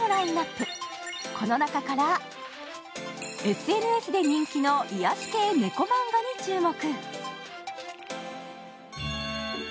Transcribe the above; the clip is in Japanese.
ＳＮＳで人気の癒し系猫マンガに注目。